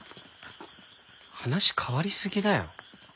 話変わりすぎだよ。